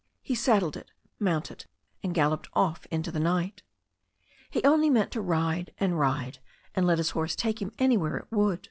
He saddled it, mounted, and gal loped off into the night. He only meant to ride and ride, and let his horse take him anywhere it would.